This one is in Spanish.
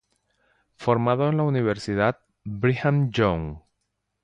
Formado en la Universidad Brigham Young.